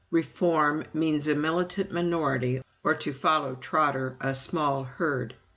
"Reform means a militant minority, or, to follow Trotter, a small Herd.